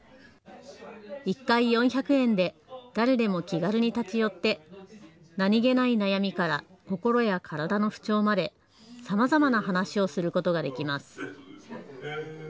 １回４００円で誰でも気軽に立ち寄って何気ない悩みから心や体の不調まで、さまざまな話をすることができます。